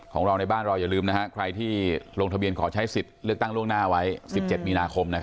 ของเราในบ้านเราอย่าลืมใครที่ลงทะเบียนขอใช้สิทธิ์เลือกตั้งล่วงหน้าไว้๑๗มีนาคม